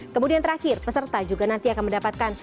kemudian terakhir peserta juga nanti akan mendapatkan